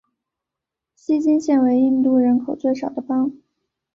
锡金现为印度人口最少的邦。